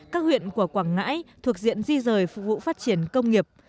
các huyện của quảng ngãi thuộc diện di rời phục vụ phát triển công nghiệp